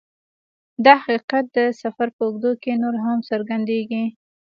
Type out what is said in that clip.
دا حقیقت د سفر په اوږدو کې نور هم څرګندیږي